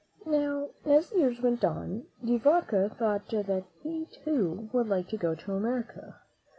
Now, as the years went on, De Vaca thought that he, too, would like to go to America.